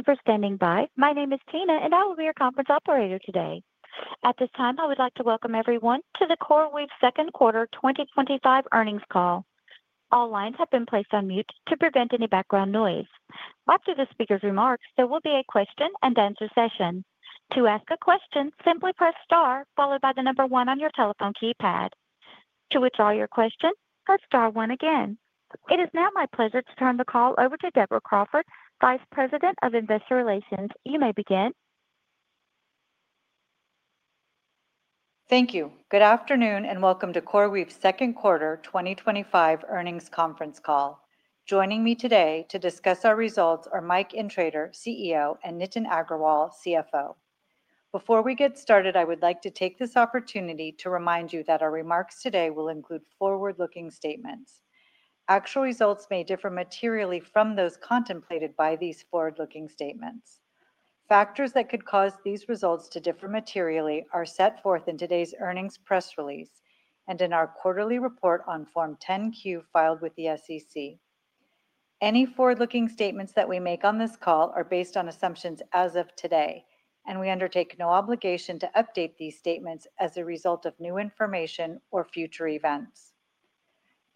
Thank you for standing by. My name is Tina, and I will be your conference operator today. At this time, I would like to welcome everyone to the CoreWeave Second Quarter 2025 Earnings Call. All lines have been placed on mute to prevent any background noise. After the speaker's remarks, there will be a question and answer session. To ask a question, simply press star, followed by the number one on your telephone keypad. To withdraw your question, press star one again. It is now my pleasure to turn the call over to Deborah Crawford, Vice President of Investor Relations. You may begin. Thank you. Good afternoon and welcome to CoreWeave's Second Quarter 2025 Earnings Conference Call. Joining me today to discuss our results are Mike Intrator, CEO, and Nitin Agrawal, CFO. Before we get started, I would like to take this opportunity to remind you that our remarks today will include forward-looking statements. Actual results may differ materially from those contemplated by these forward-looking statements. Factors that could cause these results to differ materially are set forth in today's earnings press release and in our quarterly report on Form 10-Q filed with the SEC. Any forward-looking statements that we make on this call are based on assumptions as of today, and we undertake no obligation to update these statements as a result of new information or future events.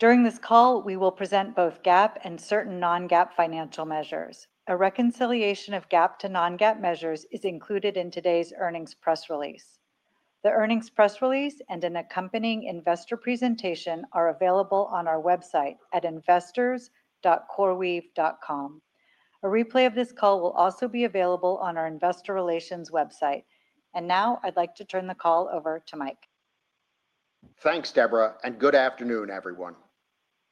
During this call, we will present both GAAP and certain non-GAAP financial measures. A reconciliation of GAAP to non-GAAP measures is included in today's earnings press release. The earnings press release and an accompanying investor presentation are available on our website at investors.coreweave.com. A replay of this call will also be available on our Investor Relations website. I would like to turn the call over to Mike. Thanks, Deborah, and good afternoon, everyone.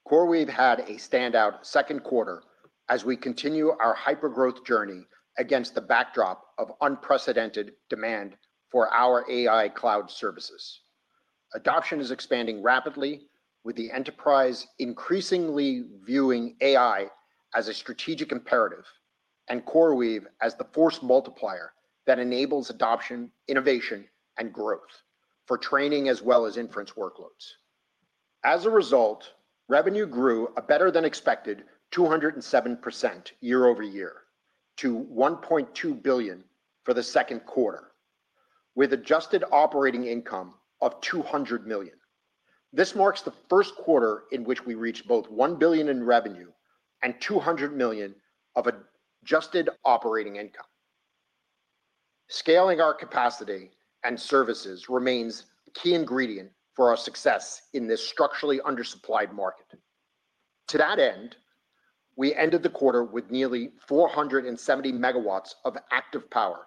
CoreWeave had a standout second quarter as we continue our hypergrowth journey against the backdrop of unprecedented demand for our AI cloud services. Adoption is expanding rapidly, with the enterprise increasingly viewing AI as a strategic imperative and CoreWeave as the force multiplier that enables adoption, innovation, and growth for training as well as inference workloads. As a result, revenue grew a better than expected 207% year-over-year to $1.2 billion for the second quarter, with adjusted operating income of $200 million. This marks the first quarter in which we reached both $1 billion in revenue and $200 million of adjusted operating income. Scaling our capacity and services remains a key ingredient for our success in this structurally undersupplied market. To that end, we ended the quarter with nearly 470 MW of active power,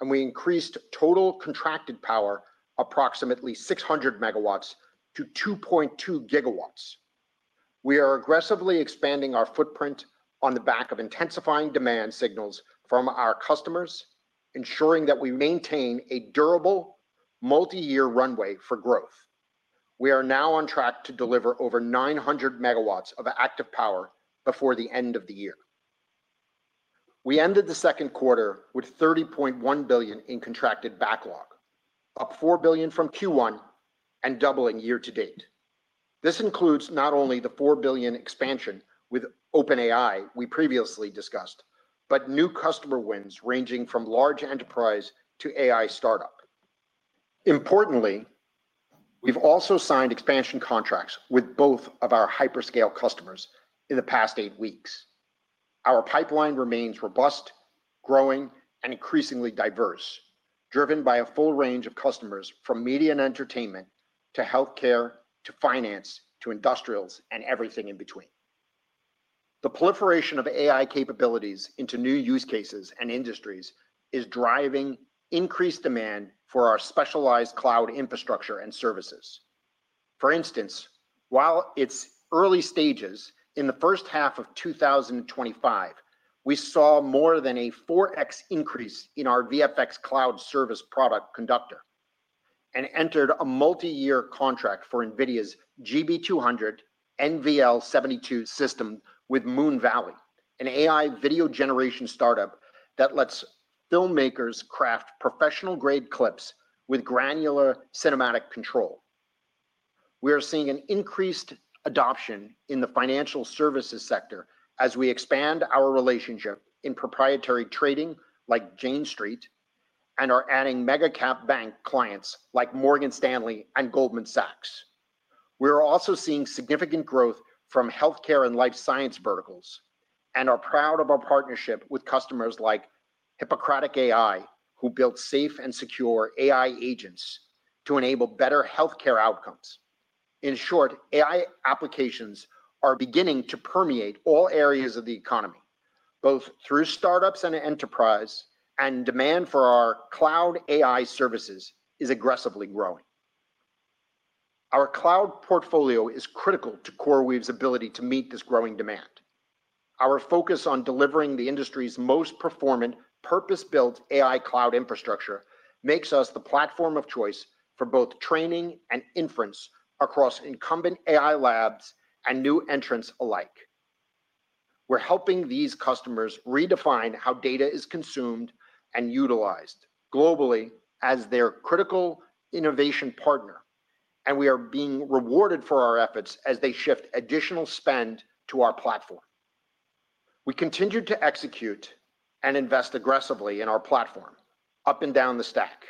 and we increased total contracted power approximately 600 MW to 2.2 GW. We are aggressively expanding our footprint on the back of intensifying demand signals from our customers, ensuring that we maintain a durable multi-year runway for growth. We are now on track to deliver over 900 MW of active power before the end of the year. We ended the second quarter with $30.1 billion in contracted backlog, up $4 billion from Q1 and doubling year to date. This includes not only the $4 billion expansion with OpenAI we previously discussed, but new customer wins ranging from large enterprise to AI start-up. Importantly, we've also signed expansion contracts with both of our hyperscale customers in the past eight weeks. Our pipeline remains robust, growing, and increasingly diverse, driven by a full range of customers from media and entertainment to healthcare to finance to industrials and everything in between. The proliferation of AI capabilities into new use cases and industries is driving increased demand for our specialized cloud infrastructure and services. For instance, while it's early stages, in the first half of 2025, we saw more than a 4x increase in our VFX cloud service product Conductor and entered a multi-year contract for NVIDIA's GB200 NVL72 system with Moonvalley, an AI video generation start-up that lets filmmakers craft professional-grade clips with granular cinematic control. We are seeing an increased adoption in the financial services sector as we expand our relationship in proprietary trading like Jane Street and are adding mega-cap bank clients like Morgan Stanley and Goldman Sachs. We are also seeing significant growth from healthcare and life science verticals and are proud of our partnership with customers like Hippocratic AI, who built safe and secure AI agents to enable better healthcare outcomes. In short, AI applications are beginning to permeate all areas of the economy, both through start-ups and enterprise, and demand for our cloud AI services is aggressively growing. Our cloud portfolio is critical to CoreWeave's ability to meet this growing demand. Our focus on delivering the industry's most performant purpose-built AI cloud infrastructure makes us the platform of choice for both training and inference across incumbent AI labs and new entrants alike. We're helping these customers redefine how data is consumed and utilized globally as their critical innovation partner, and we are being rewarded for our efforts as they shift additional spend to our platform. We continue to execute and invest aggressively in our platform, up and down the stack,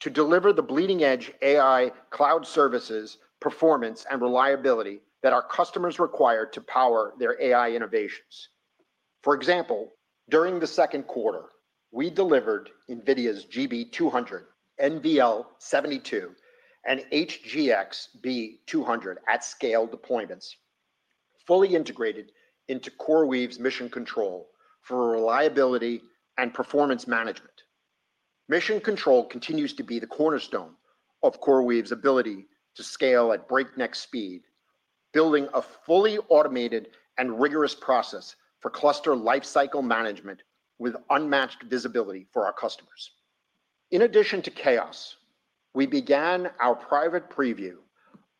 to deliver the bleeding-edge AI cloud services, performance, and reliability that our customers require to power their AI innovations. For example, during the second quarter, we delivered NVIDIA's GB200 NVL72 and HGX B200 at scale deployments, fully integrated into CoreWeave's Mission Control for reliability and performance management. Mission Control continues to be the cornerstone of CoreWeave's ability to scale at breakneck speed, building a fully automated and rigorous process for cluster lifecycle management with unmatched visibility for our customers. In addition to chaos, we began our private preview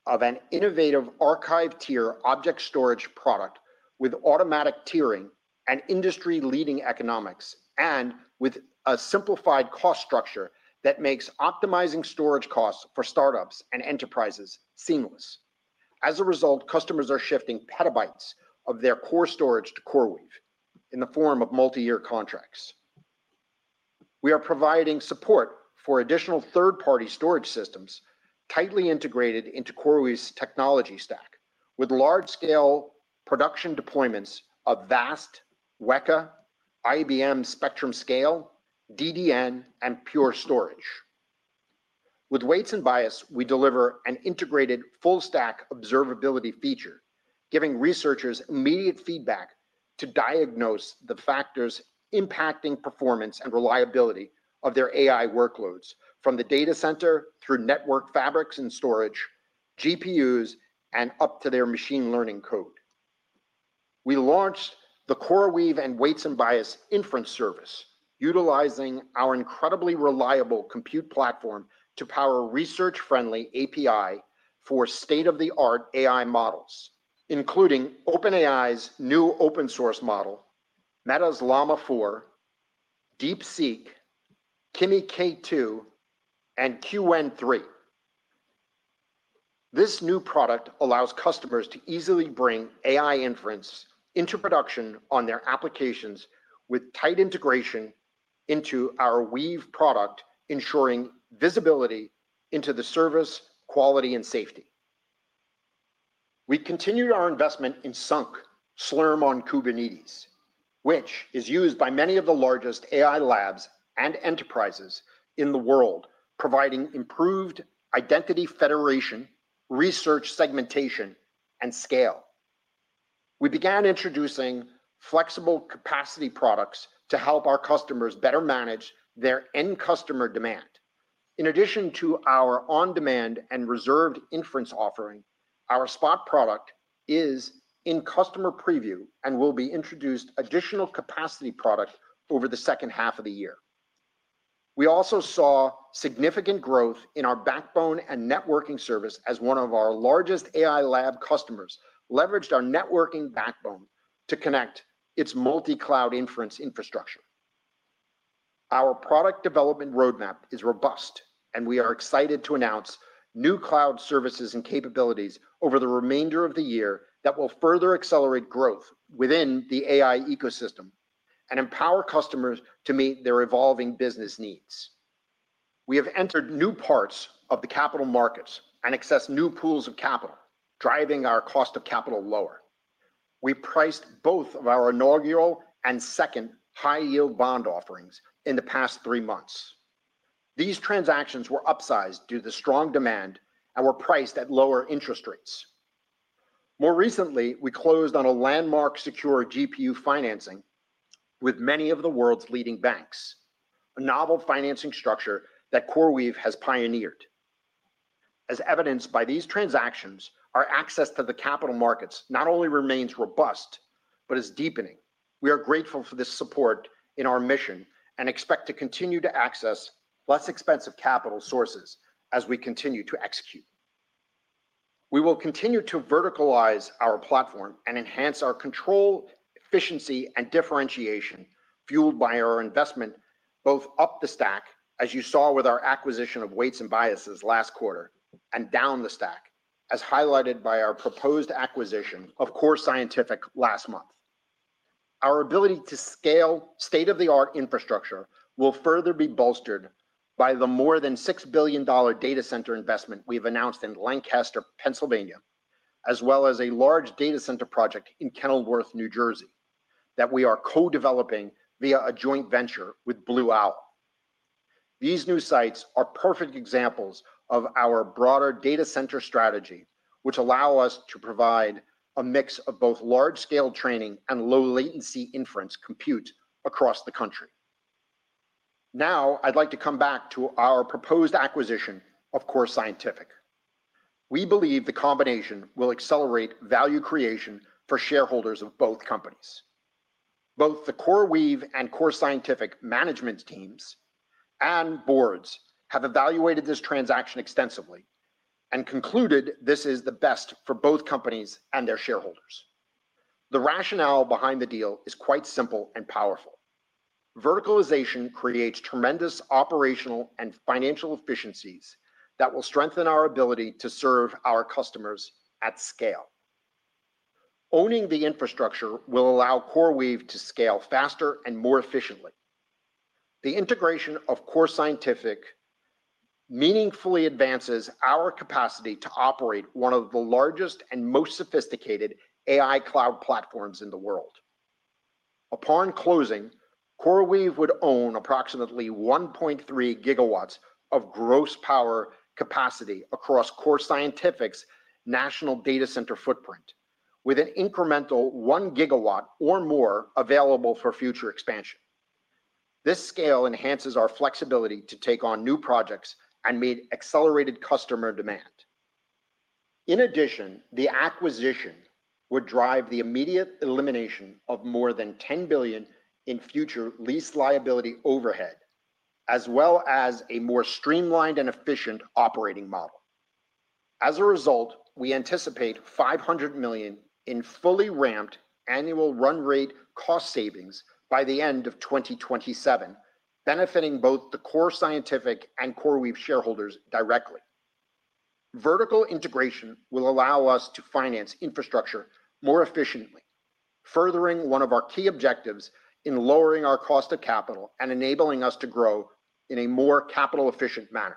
of an innovative archive-tier object storage product with automatic tiering and industry-leading economics and with a simplified cost structure that makes optimizing storage costs for start-ups and enterprises seamless. As a result, customers are shifting petabytes of their core storage to CoreWeave in the form of multi-year contracts. We are providing support for additional third-party storage systems tightly integrated into CoreWeave's technology stack, with large-scale production deployments of VAST, WEKA, IBM Spectrum Scale, DDN, and Pure Storage. With Weights & Biases, we deliver an integrated full-stack observability feature, giving researchers immediate feedback to diagnose the factors impacting performance and reliability of their AI workloads from the data center through network fabrics and storage, GPUs, and up to their machine learning code. We launched the CoreWeave and Weights & Biases inference service, utilizing our incredibly reliable compute platform to power a research-friendly API for state-of-the-art AI models, including OpenAI's new open-source model, Meta's Llama 4, DeepSeek, KIMI K2, and Qwen3. This new product allows customers to easily bring AI inference into production on their applications with tight integration into our Weave product, ensuring visibility into the service, quality, and safety. We continued our investment in SUNK, Slurm on Kubernetes, which is used by many of the largest AI labs and enterprises in the world, providing improved identity federation, research segmentation, and scale. We began introducing flexible capacity products to help our customers better manage their end-customer demand. In addition to our on-demand and reserved inference offering, our spot product is in customer preview and will be introducing additional capacity products over the second half of the year. We also saw significant growth in our backbone and networking service as one of our largest AI lab customers leveraged our networking backbone to connect its multi-cloud inference infrastructure. Our product development roadmap is robust, and we are excited to announce new cloud services and capabilities over the remainder of the year that will further accelerate growth within the AI ecosystem and empower customers to meet their evolving business needs. We have entered new parts of the capital markets and accessed new pools of capital, driving our cost of capital lower. We priced both of our inaugural and second high-yield bond offerings in the past three months. These transactions were upsized due to the strong demand and were priced at lower interest rates. More recently, we closed on a landmark secure GPU financing with many of the world's leading banks, a novel financing structure that CoreWeave has pioneered. As evidenced by these transactions, our access to the capital markets not only remains robust but is deepening. We are grateful for this support in our mission and expect to continue to access less expensive capital sources as we continue to execute. We will continue to verticalize our platform and enhance our control, efficiency, and differentiation, fueled by our investment both up the stack, as you saw with our acquisition of Weights & Biases last quarter, and down the stack, as highlighted by our proposed acquisition of Core Scientific last month. Our ability to scale state-of-the-art infrastructure will further be bolstered by the more than $6 billion data center investment we've announced in Lancaster, Pennsylvania, as well as a large data center project in Kenilworth, New Jersey, that we are co-developing via a joint venture with Blue Owl. These new sites are perfect examples of our broader data center strategy, which allows us to provide a mix of both large-scale training and low-latency inference compute across the country. Now, I'd like to come back to our proposed acquisition of Core Scientific. We believe the combination will accelerate value creation for shareholders of both companies. Both the CoreWeave and Core Scientific management teams and boards have evaluated this transaction extensively and concluded this is the best for both companies and their shareholders. The rationale behind the deal is quite simple and powerful. Verticalization creates tremendous operational and financial efficiencies that will strengthen our ability to serve our customers at scale. Owning the infrastructure will allow CoreWeave to scale faster and more efficiently. The integration of Core Scientific meaningfully advances our capacity to operate one of the largest and most sophisticated AI cloud platforms in the world. Upon closing, CoreWeave would own approximately 1.3 GW of gross power capacity across Core Scientific's national data center footprint, with an incremental 1 GW or more available for future expansion. This scale enhances our flexibility to take on new projects and meet accelerated customer demand. In addition, the acquisition would drive the immediate elimination of more than $10 billion in future lease liability overhead, as well as a more streamlined and efficient operating model. As a result, we anticipate $500 million in fully ramped annual run-rate cost savings by the end of 2027, benefiting both the Core Scientific and CoreWeave shareholders directly. Vertical integration will allow us to finance infrastructure more efficiently, furthering one of our key objectives in lowering our cost of capital and enabling us to grow in a more capital-efficient manner.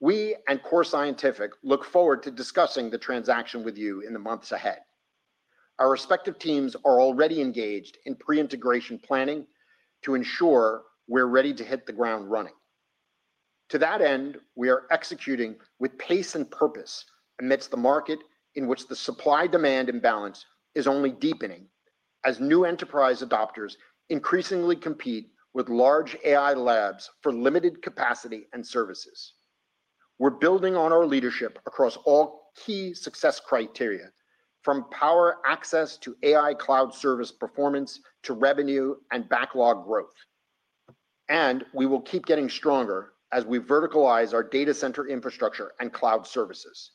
We and Core Scientific look forward to discussing the transaction with you in the months ahead. Our respective teams are already engaged in pre-integration planning to ensure we're ready to hit the ground running. To that end, we are executing with pace and purpose amidst a market in which the supply-demand imbalance is only deepening as new enterprise adopters increasingly compete with large AI labs for limited capacity and services. We are building on our leadership across all key success criteria, from power access to AI cloud service performance to revenue and backlog growth. We will keep getting stronger as we verticalize our data center infrastructure and cloud services.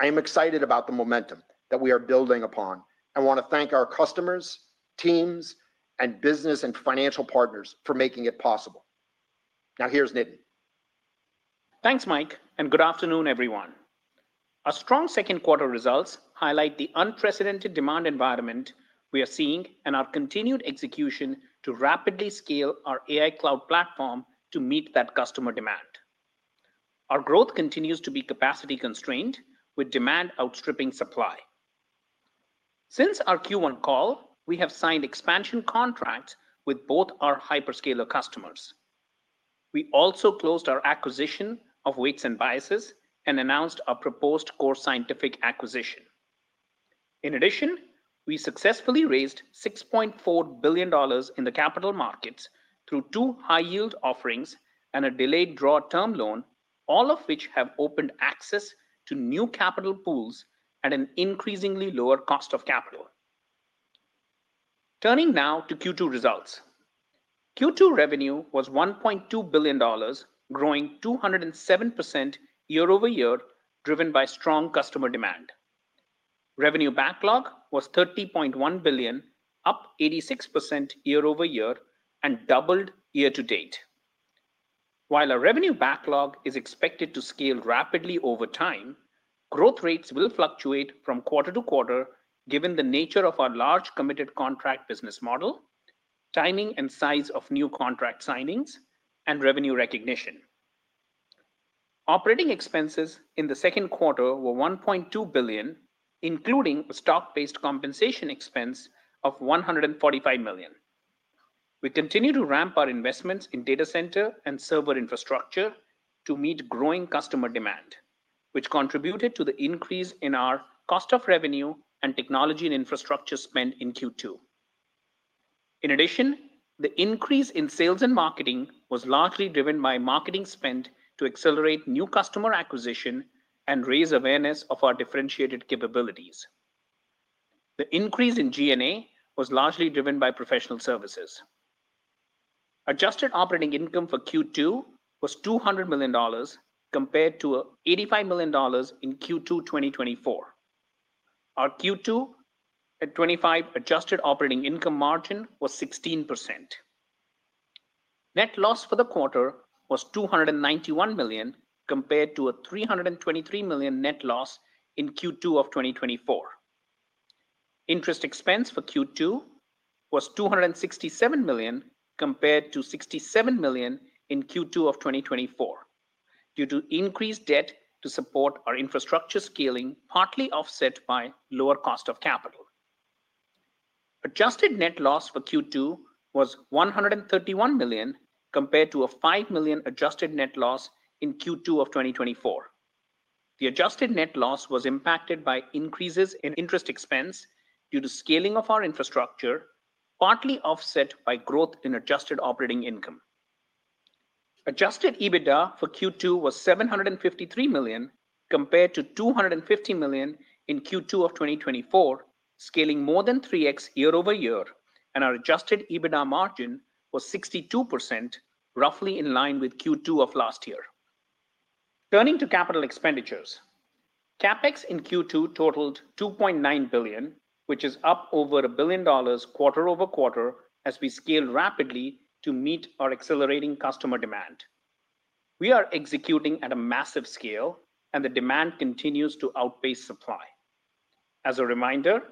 I am excited about the momentum that we are building upon and want to thank our customers, teams, and business and financial partners for making it possible. Now, here's Nitin. Thanks, Mike, and good afternoon, everyone. Our strong second quarter results highlight the unprecedented demand environment we are seeing and our continued execution to rapidly scale our AI cloud platform to meet that customer demand. Our growth continues to be capacity-constrained, with demand outstripping supply. Since our Q1 call, we have signed expansion contracts with both our hyperscaler customers. We also closed our acquisition of Weights & Biases and announced a proposed Core Scientific acquisition. In addition, we successfully raised $6.4 billion in the capital markets through two high-yield offerings and a delayed draw term loan, all of which have opened access to new capital pools at an increasingly lower cost of capital. Turning now to Q2 results. Q2 revenue was $1.2 billion, growing 207% year-over-year, driven by strong customer demand. Revenue backlog was $30.1 billion, up 86% year-over-year and doubled year to date. While our revenue backlog is expected to scale rapidly over time, growth rates will fluctuate from quarter to quarter given the nature of our large committed contract business model, timing and size of new contract signings, and revenue recognition. Operating expenses in the second quarter were $1.2 billion, including a stock-based compensation expense of $145 million. We continue to ramp our investments in data center and server infrastructure to meet growing customer demand, which contributed to the increase in our cost of revenue and technology and infrastructure spend in Q2. In addition, the increase in sales and marketing was largely driven by marketing spend to accelerate new customer acquisition and raise awareness of our differentiated capabilities. The increase in G&A was largely driven by professional services. Adjusted operating income for Q2 was $200 million compared to $85 million in Q2 2024. Our Q2 2025 adjusted operating income margin was 16%. Net loss for the quarter was $291 million compared to a $323 million net loss in Q2 of 2024. Interest expense for Q2 was $267 million compared to $67 million in Q2 of 2024 due to increased debt to support our infrastructure scaling, partly offset by lower cost of capital. Adjusted net loss for Q2 was $131 million compared to a $5 million adjusted net loss in Q2 of 2024. The adjusted net loss was impacted by increases in interest expense due to scaling of our infrastructure, partly offset by growth in adjusted operating income. Adjusted EBITDA for Q2 was $753 million compared to $250 million in Q2 of 2024, scaling more than 3x year-over-year, and our adjusted EBITDA margin was 62%, roughly in line with Q2 of last year. Turning to capital expenditures, CapEx in Q2 totaled $2.9 billion, which is up over $1 billion quarter-over-quarter as we scaled rapidly to meet our accelerating customer demand. We are executing at a massive scale, and the demand continues to outpace supply. As a reminder,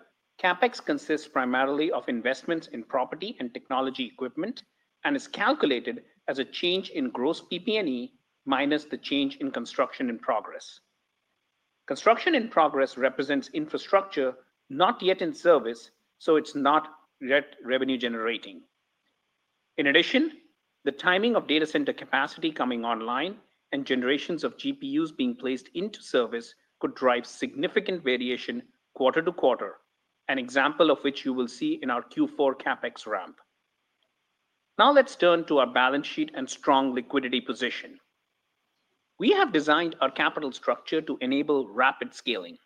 CapEx consists primarily of investments in property and technology equipment and is calculated as a change in gross PP&E minus the change in construction in progress. Construction in progress represents infrastructure not yet in service, so it's not yet revenue generating. In addition, the timing of data center capacity coming online and generations of GPUs being placed into service could drive significant variation quarter to quarter, an example of which you will see in our Q4 CapEx ramp. Now let's turn to our balance sheet and strong liquidity position. We have designed our capital structure to enable rapid scaling.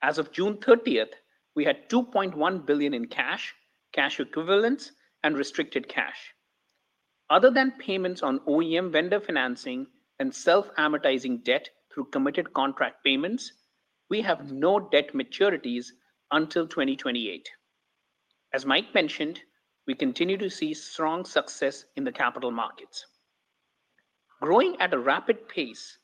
As of June 30th, we had $2.1 billion in cash, cash equivalents, and restricted cash. Other than payments on OEM vendor financing and self-amortizing debt through committed contract payments, we have no debt maturities until 2028. As Mike mentioned, we continue to see strong success in the capital markets. Growing at a rapid pace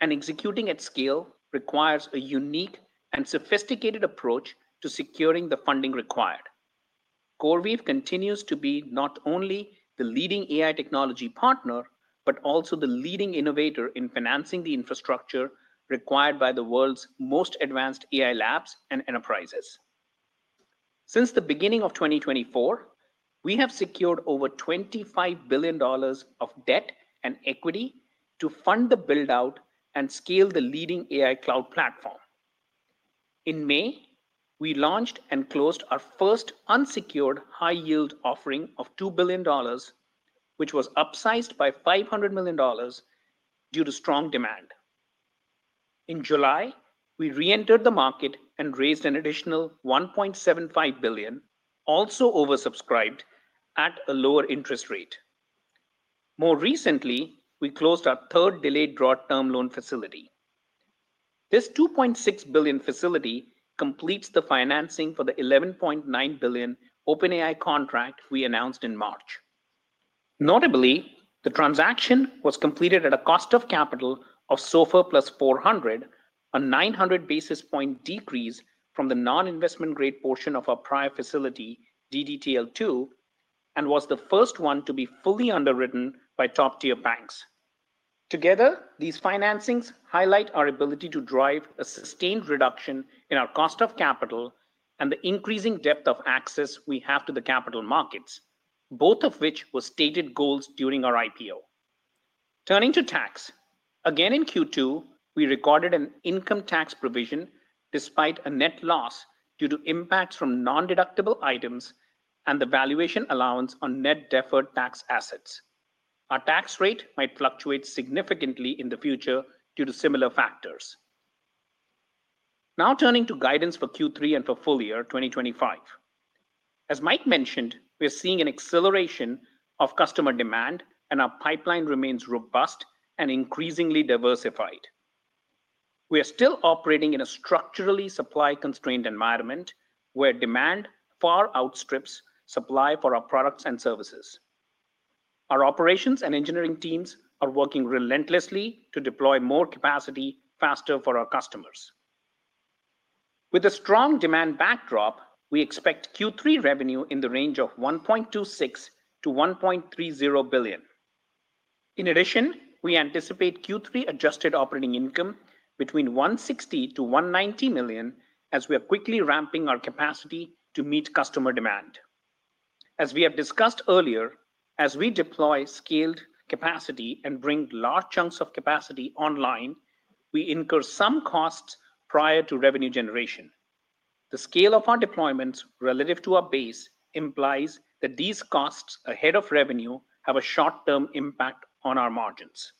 and executing at scale requires a unique and sophisticated approach to securing the funding required. CoreWeave continues to be not only the leading AI technology partner but also the leading innovator in financing the infrastructure required by the world's most advanced AI labs and enterprises. Since the beginning of 2024, we have secured over $25 billion of debt and equity to fund the build-out and scale the leading AI cloud platform. In May, we launched and closed our first unsecured high-yield offering of $2 billion, which was upsized by $500 million due to strong demand. In July, we reentered the market and raised an additional $1.75 billion, also oversubscribed at a lower interest rate. More recently, we closed our third delayed draw term loan facility. This $2.6 billion facility completes the financing for the $11.9 billion OpenAI contract we announced in March. Notably, the transaction was completed at a cost of capital of SOFR +400, a 900 basis point decrease from the non-investment-grade portion of our prior facility, DDTL 2, and was the first one to be fully underwritten by top-tier banks. Together, these financings highlight our ability to drive a sustained reduction in our cost of capital and the increasing depth of access we have to the capital markets, both of which were stated goals during our IPO. Turning to tax, again in Q2, we recorded an income tax provision despite a net loss due to impacts from non-deductible items and the valuation allowance on net deferred tax assets. Our tax rate might fluctuate significantly in the future due to similar factors. Now turning to guidance for Q3 and for full year 2025. As Mike mentioned, we're seeing an acceleration of customer demand, and our pipeline remains robust and increasingly diversified. We are still operating in a structurally supply-constrained environment where demand far outstrips supply for our products and services. Our operations and engineering teams are working relentlessly to deploy more capacity faster for our customers. With a strong demand backdrop, we expect Q3 revenue in the range of $1.26 billion-$1.30 billion. In addition, we anticipate Q3 adjusted operating income between $160 million-$190 million as we are quickly ramping our capacity to meet customer demand. As we have discussed earlier, as we deploy scaled capacity and bring large chunks of capacity online, we incur some costs prior to revenue generation. The scale of our deployments relative to our base implies that these costs ahead of revenue have a short-term impact on our margins.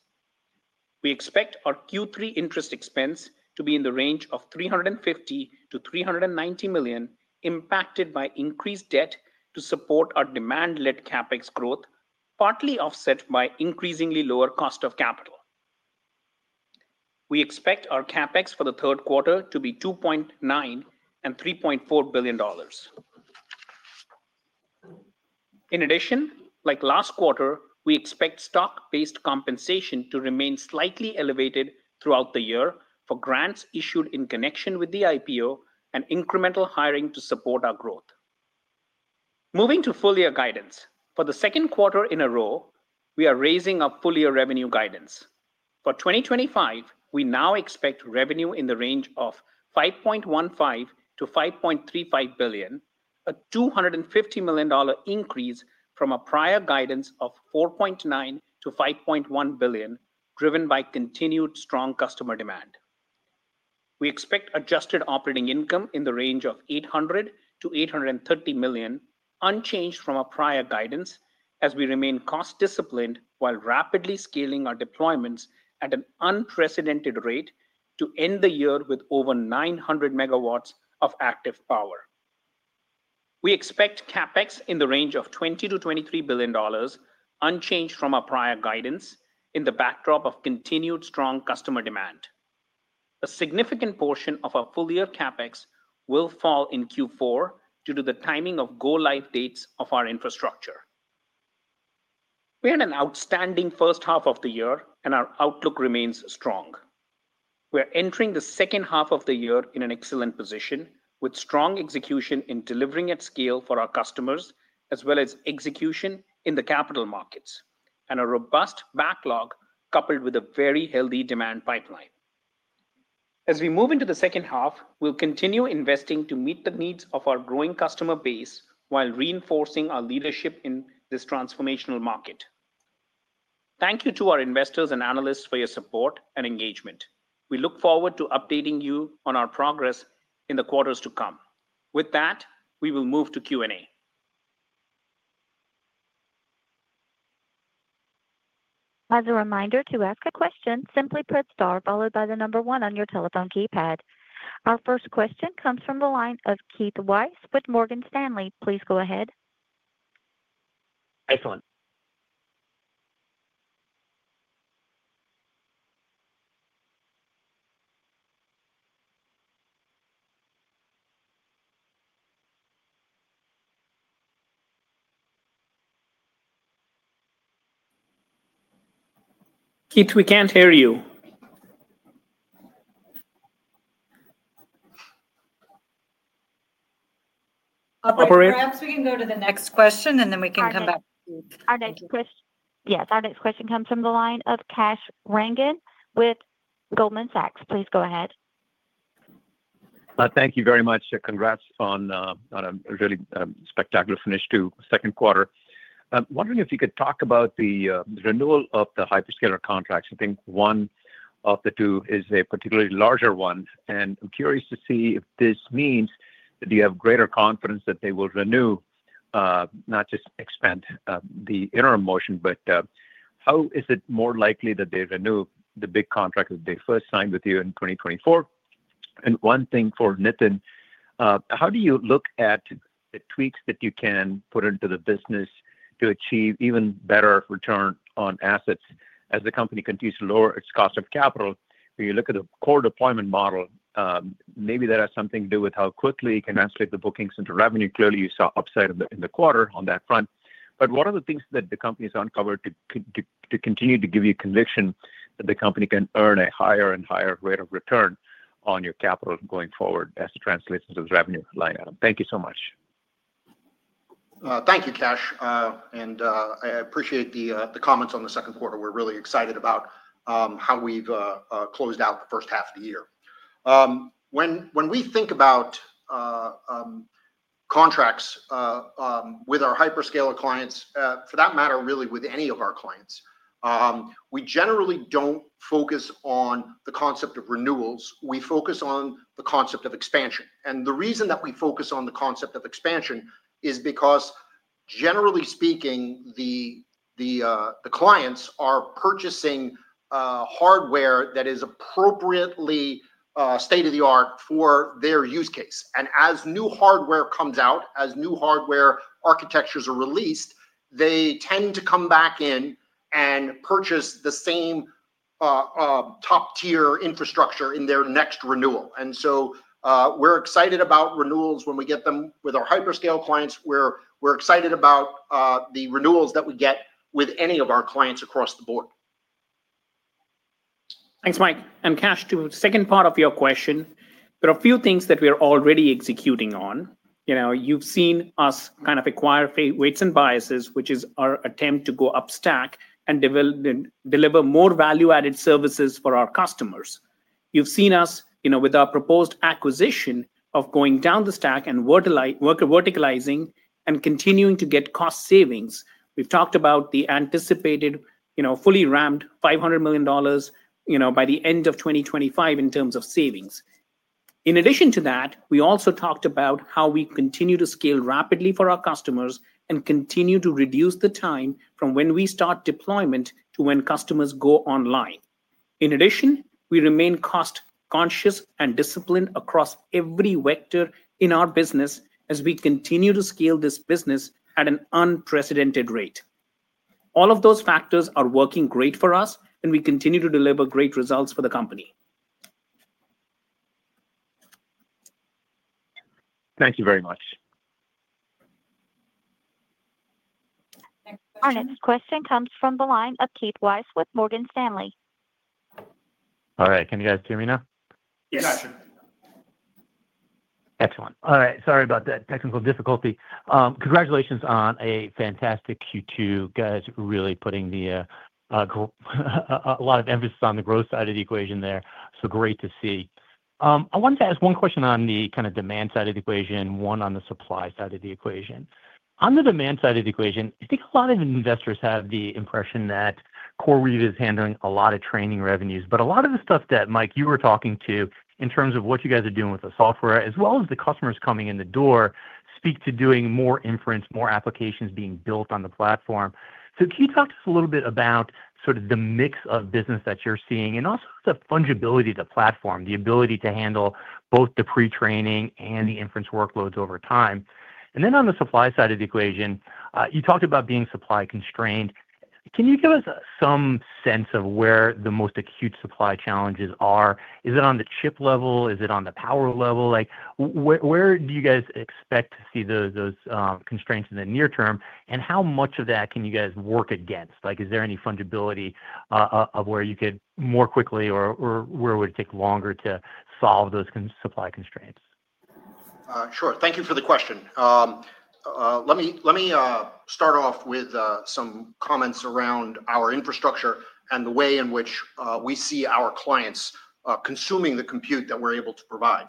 We expect our Q3 interest expense to be in the range of $350 million-$390 million, impacted by increased debt to support our demand-led CapEx growth, partly offset by increasingly lower cost of capital. We expect our CapEx for the third quarter to be $2.9 billion and $3.4 billion. In addition, like last quarter, we expect stock-based compensation to remain slightly elevated throughout the year for grants issued in connection with the IPO and incremental hiring to support our growth. Moving to full year guidance, for the second quarter in a row, we are raising our full year revenue guidance. For 2025, we now expect revenue in the range of $5.15 billion-$5.35 billion, a $250 million increase from our prior guidance of $4.9 billion-$5.1 billion, driven by continued strong customer demand. We expect adjusted operating income in the range of $800 million-$830 million, unchanged from our prior guidance, as we remain cost-disciplined while rapidly scaling our deployments at an unprecedented rate to end the year with over 900 MW of active power. We expect CapEx in the range of $20 billion-$23 billion, unchanged from our prior guidance, in the backdrop of continued strong customer demand. A significant portion of our full year CapEx will fall in Q4 due to the timing of go-live dates of our infrastructure. We had an outstanding first half of the year, and our outlook remains strong. We are entering the second half of the year in an excellent position, with strong execution in delivering at scale for our customers, as well as execution in the capital markets, and a robust backlog coupled with a very healthy demand pipeline. As we move into the second half, we'll continue investing to meet the needs of our growing customer base while reinforcing our leadership in this transformational market. Thank you to our investors and analysts for your support and engagement. We look forward to updating you on our progress in the quarters to come. With that, we will move to Q&A. As a reminder, to ask a question, simply press star followed by the number one on your telephone keypad. Our first question comes from the line of Keith Weiss with Morgan Stanley. Please go ahead. Keith, we can't hear you. Oh, perhaps we can go to the next question, and then we can come back to Keith. Our next question comes from the line of Kash Rangan with Goldman Sachs. Please go ahead. Thank you very much. Congrats on a really spectacular finish to the second quarter. I'm wondering if you could talk about the renewal of the hyperscaler contracts. I think one of the two is a particularly larger one, and I'm curious to see if this means that you have greater confidence that they will renew, not just expand the interim motion. How is it more likely that they renew the big contract that they first signed with you in 2024? One thing for Nitin, how do you look at the tweaks that you can put into the business to achieve even better return on assets as the company continues to lower its cost of capital? When you look at the core deployment model, maybe that has something to do with how quickly you can escalate the bookings into revenue. Clearly, you saw upside in the quarter on that front. What are the things that the company has uncovered to continue to give you conviction that the company can earn a higher and higher rate of return on your capital going forward as it translates into the revenue line item? Thank you so much. Thank you, Kash, and I appreciate the comments on the second quarter. We're really excited about how we've closed out the first half of the year. When we think about contracts with our hyperscaler clients, for that matter, really with any of our clients, we generally don't focus on the concept of renewals. We focus on the concept of expansion. The reason that we focus on the concept of expansion is because, generally speaking, the clients are purchasing hardware that is appropriately state-of-the-art for their use case. As new hardware comes out, as new hardware architectures are released, they tend to come back in and purchase the same top-tier infrastructure in their next renewal. We're excited about renewals when we get them with our hyperscale clients. We're excited about the renewals that we get with any of our clients across the board. Thanks, Mike. And, Kash, to the second part of your question, there are a few things that we are already executing on. You've seen us acquire Weights & Biases, which is our attempt to go up stack and deliver more value-added services for our customers. You've seen us with our proposed acquisition of going down the stack and verticalizing and continuing to get cost savings. We've talked about the anticipated fully ramped $500 million by the end of 2025 in terms of savings. In addition to that, we also talked about how we continue to scale rapidly for our customers and continue to reduce the time from when we start deployment to when customers go online. In addition, we remain cost-conscious and disciplined across every vector in our business as we continue to scale this business at an unprecedented rate. All of those factors are working great for us, and we continue to deliver great results for the company. Thank you very much. Our next question comes from the line of Keith Weiss with Morgan Stanley. All right, can you guys hear me now? Yes, sir. All right, sorry about that technical difficulty. Congratulations on a fantastic Q2. You guys are really putting a lot of emphasis on the growth side of the equation there. Great to see. I wanted to ask one question on the kind of demand side of the equation, one on the supply side of the equation. On the demand side of the equation, I think a lot of investors have the impression that CoreWeave is handling a lot of training revenues, but a lot of the stuff that, Mike, you were talking to in terms of what you guys are doing with the software, as well as the customers coming in the door, speak to doing more inference, more applications being built on the platform. Can you talk to us a little bit about sort of the mix of business that you're seeing and also the fungibility of the platform, the ability to handle both the pre-training and the inference workloads over time? On the supply side of the equation, you talked about being supply constrained. Can you give us some sense of where the most acute supply challenges are? Is it on the chip level? Is it on the power level? Where do you guys expect to see those constraints in the near term? How much of that can you guys work against? Is there any fungibility of where you could more quickly or where would it take longer to solve those supply constraints? Sure, thank you for the question. Let me start off with some comments around our infrastructure and the way in which we see our clients consuming the compute that we're able to provide.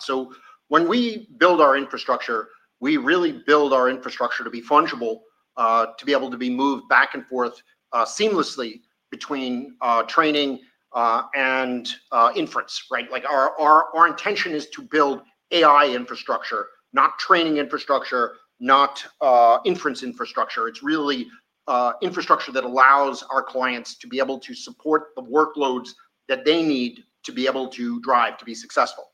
When we build our infrastructure, we really build our infrastructure to be fungible, to be able to be moved back and forth seamlessly between training and inference, right? Our intention is to build AI infrastructure, not training infrastructure, not inference infrastructure. It's really infrastructure that allows our clients to be able to support the workloads that they need to be able to drive to be successful.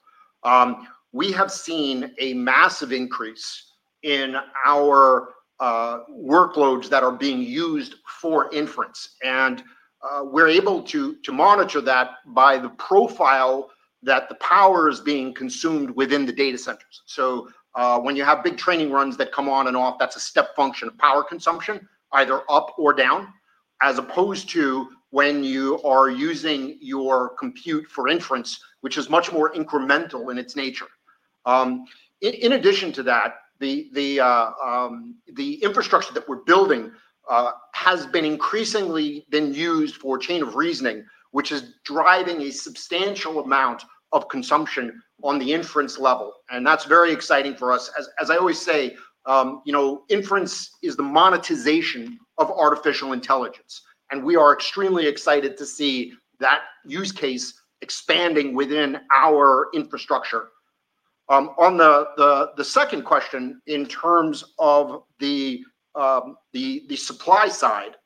We have seen a massive increase in our workloads that are being used for inference, and we're able to monitor that by the profile that the power is being consumed within the data centers. When you have big training runs that come on and off, that's a step function of power consumption, either up or down, as opposed to when you are using your compute for inference, which is much more incremental in its nature. In addition to that, the infrastructure that we're building has been increasingly then used for chain of reasoning, which is driving a substantial amount of consumption on the inference level. That's very exciting for us. As I always say, you know, inference is the monetization of artificial intelligence. We are extremely excited to see that use case expanding within our infrastructure. On the second question, in terms of the supply side,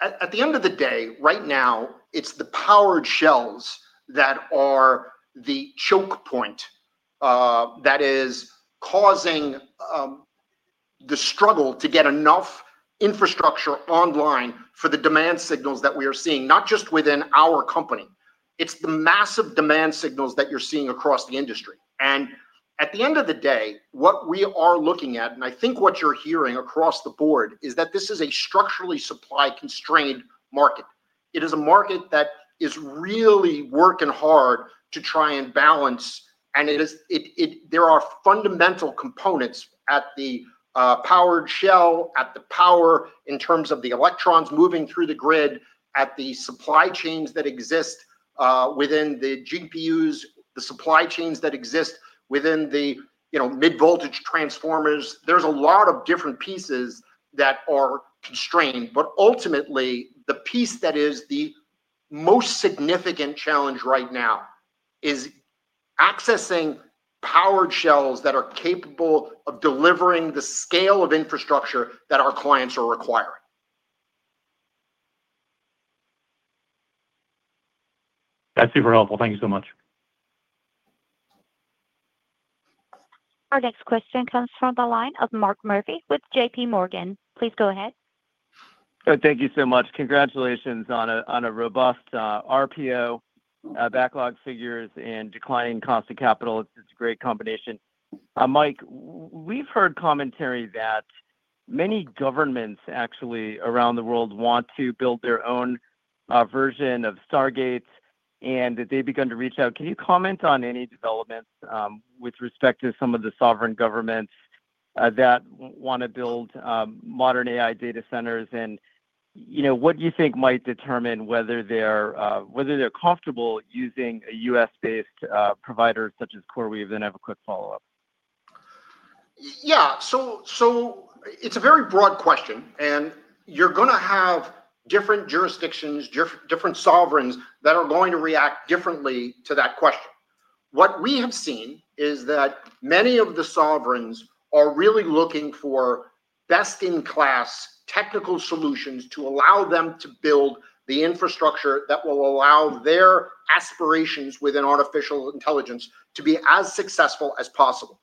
at the end of the day, right now, it's the powered shells that are the choke point that is causing the struggle to get enough infrastructure online for the demand signals that we are seeing, not just within our company. It's the massive demand signals that you're seeing across the industry. At the end of the day, what we are looking at, and I think what you're hearing across the board, is that this is a structurally supply-constrained market. It is a market that is really working hard to try and balance, and there are fundamental components at the powered shell, at the power in terms of the electrons moving through the grid, at the supply chains that exist within the GPUs, the supply chains that exist within the mid-voltage transformers. There are a lot of different pieces that are constrained, but ultimately, the piece that is the most significant challenge right now is accessing powered shells that are capable of delivering the scale of infrastructure that our clients are requiring. That's super helpful. Thank you so much. Our next question comes from the line of Mark Murphy with JPMorgan. Please go ahead. Thank you so much. Congratulations on a robust RPO, backlog figures, and declining cost of capital. It's a great combination. Mike, we've heard commentary that many governments actually around the world want to build their own version of Stargate, and they've begun to reach out. Can you comment on any developments with respect to some of the sovereign governments that want to build modern AI data centers? What do you think might determine whether they're comfortable using a U.S.-based provider such as CoreWeave? I have a quick follow-up. Yeah, it's a very broad question, and you're going to have different jurisdictions, different sovereigns that are going to react differently to that question. What we have seen is that many of the sovereigns are really looking for best-in-class technical solutions to allow them to build the infrastructure that will allow their aspirations within artificial intelligence to be as successful as possible.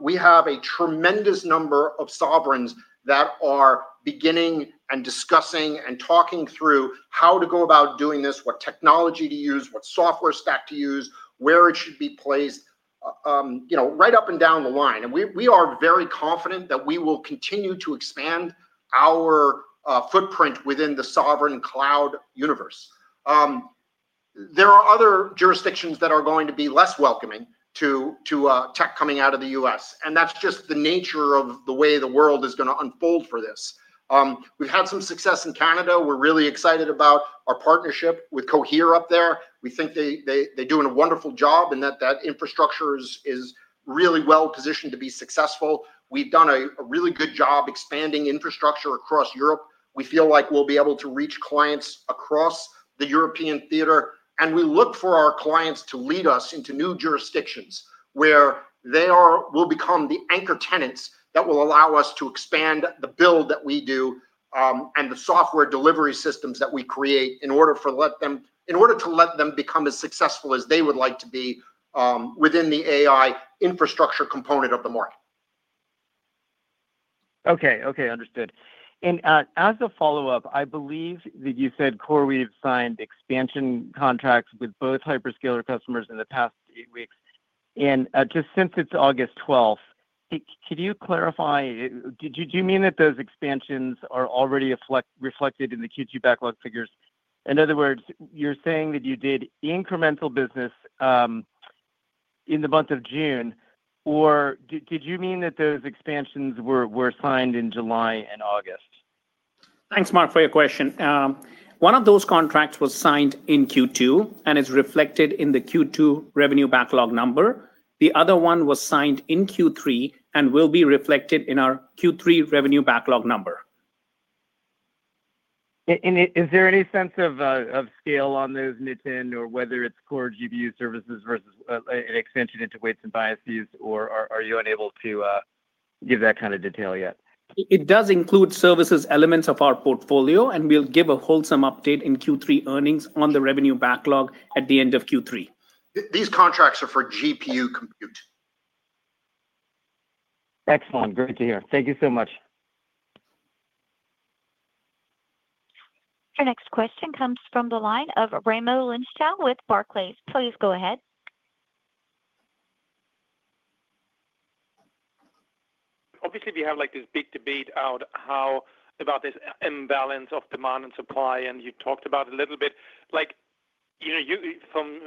We have a tremendous number of sovereigns that are beginning and discussing and talking through how to go about doing this, what technology to use, what software stack to use, where it should be placed, right up and down the line. We are very confident that we will continue to expand our footprint within the sovereign cloud universe. There are other jurisdictions that are going to be less welcoming to tech coming out of the U.S., and that's just the nature of the way the world is going to unfold for this. We've had some success in Canada. We're really excited about our partnership with Cohere up there. We think they're doing a wonderful job and that infrastructure is really well-positioned to be successful. We've done a really good job expanding infrastructure across Europe. We feel like we'll be able to reach clients across the European theater, and we look for our clients to lead us into new jurisdictions where they will become the anchor tenants that will allow us to expand the build that we do and the software delivery systems that we create in order to let them become as successful as they would like to be within the AI infrastructure component of the market. Okay, understood. As a follow-up, I believe that you said CoreWeave signed expansion contracts with both hyperscaler customers in the past eight weeks. Just since it's August 12th, can you clarify, do you mean that those expansions are already reflected in the Q2 backlog figures? In other words, you're saying that you did incremental business in the month of June, or did you mean that those expansions were signed in July and August? Thanks, Mark, for your question. One of those contracts was signed in Q2 and is reflected in the Q2 revenue backlog number. The other one was signed in Q3 and will be reflected in our Q3 revenue backlog number. Is there any sense of scale on those, Nitin, or whether it's core GPU services versus an expansion into Weights & Biases, or are you unable to give that kind of detail yet? It does include services elements of our portfolio, and we'll give a wholesome update in Q3 earnings on the revenue backlog at the end of Q3. These contracts are for GPU compute. Excellent. Great to hear. Thank you so much. Our next question comes from the line of Raimo Lenschow with Barclays. Please go ahead. Obviously, we have this big debate out about this imbalance of demand and supply, and you talked about it a little bit. From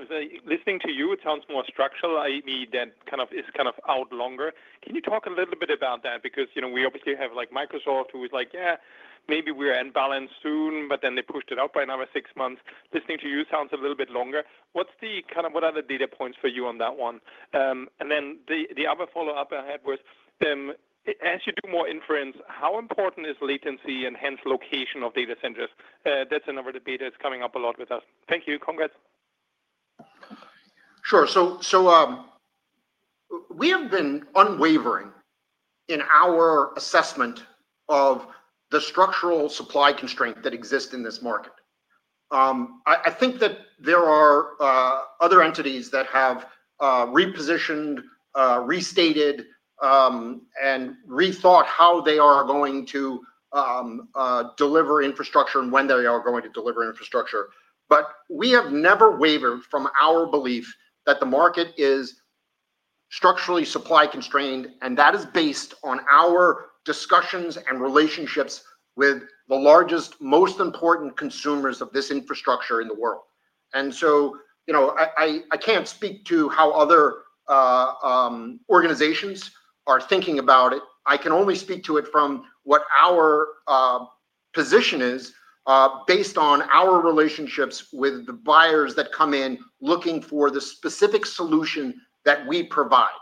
listening to you, it sounds more structural, I mean, that kind of is out longer. Can you talk a little bit about that? Because we obviously have Microsoft who was like, yeah, maybe we're in balance soon, but then they pushed it up by another six months. Listening to you sounds a little bit longer. What are the data points for you on that one? The other follow-up I had was, as you do more inference, how important is latency and hence location of data centers? That's another debate that's coming up a lot with us. Thank you. Congrats. Sure. We have been unwavering in our assessment of the structural supply constraint that exists in this market. I think there are other entities that have repositioned, restated, and rethought how they are going to deliver infrastructure and when they are going to deliver infrastructure. We have never wavered from our belief that the market is structurally supply constrained, and that is based on our discussions and relationships with the largest, most important consumers of this infrastructure in the world. I can't speak to how other organizations are thinking about it. I can only speak to it from what our position is based on our relationships with the buyers that come in looking for the specific solution that we provide.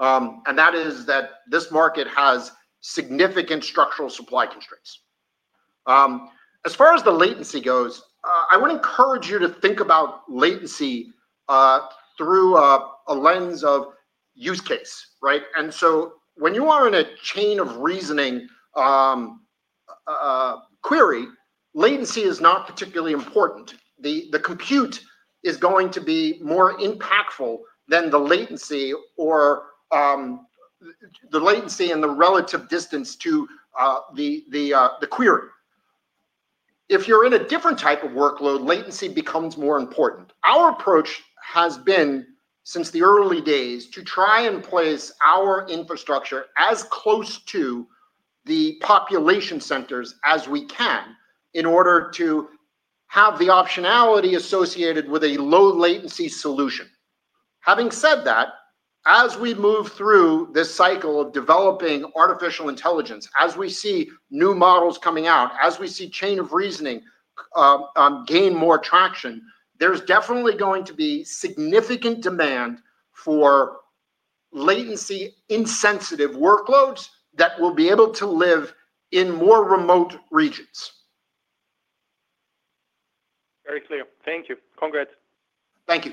That is that this market has significant structural supply constraints. As far as the latency goes, I would encourage you to think about latency through a lens of use case, right? When you are in a chain of reasoning query, latency is not particularly important. The compute is going to be more impactful than the latency or the latency and the relative distance to the query. If you're in a different type of workload, latency becomes more important. Our approach has been, since the early days, to try and place our infrastructure as close to the population centers as we can in order to have the optionality associated with a low latency solution. Having said that, as we move through this cycle of developing artificial intelligence, as we see new models coming out, as we see chain of reasoning gain more traction, there's definitely going to be significant demand for latency-insensitive workloads that will be able to live in more remote regions. Very clear. Thank you. Congrats. Thank you.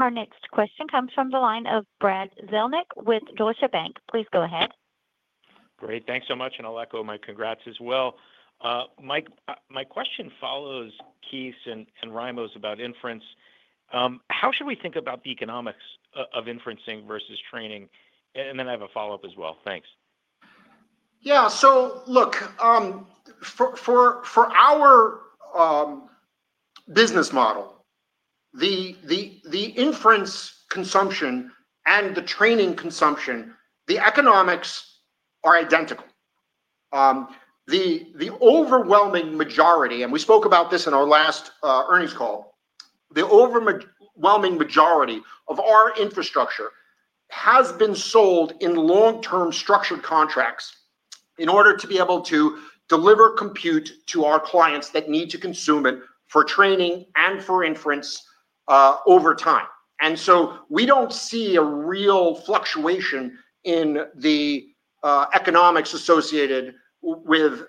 Our next question comes from the line of Brad Zelnick with Deutsche Bank. Please go ahead. Great. Thanks so much, and I'll echo my congrats as well. Mike, my question follows Keith and Raimo about inference. How should we think about the economics of inference versus training? I have a follow-up as well. Thanks. Yeah, so look, for our business model, the inference consumption and the training consumption, the economics are identical. The overwhelming majority, and we spoke about this in our last earnings call, the overwhelming majority of our infrastructure has been sold in long-term structured contracts in order to be able to deliver compute to our clients that need to consume it for training and for inference over time. We don't see a real fluctuation in the economics associated with